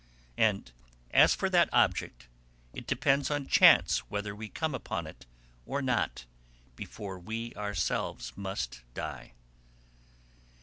And as for that object, it depends on chance whether we come upon it or not before we ourselves must die.